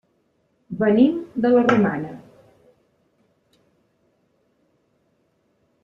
Venim de la Romana.